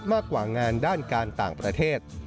มากกว่างานด้านการต่างประเทศ